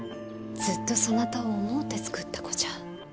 ずっとそなたを思うて作った子じゃ。